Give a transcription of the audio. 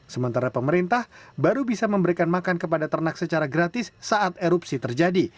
sementara pemerintah baru bisa memberikan makan kepada ternak secara gratis saat erupsi terjadi